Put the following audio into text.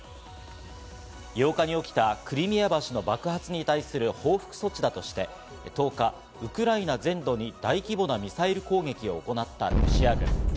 ８日に起きたクリミア橋の爆発に対する報復措置だとして、１０日、ウクライナ全土に大規模なミサイル攻撃を行ったロシア軍。